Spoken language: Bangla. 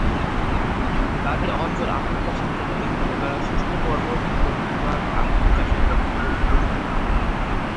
তাদের অঞ্চল আফিম চাষের জন্য বিখ্যাত কারণ শুষ্ক পর্বত ভূভাগ আফিম চাষের পক্ষে খুব উপযুক্ত।